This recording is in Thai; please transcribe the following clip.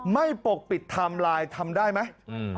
ปกปิดไทม์ไลน์ทำได้ไหม